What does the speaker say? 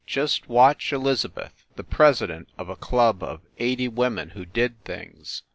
Just watch Elizabeth, the president of a club of eighty women who did things!